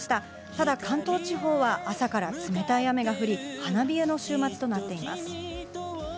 ただ関東地方は朝から冷たい雨が降り、花冷えの週末となっています。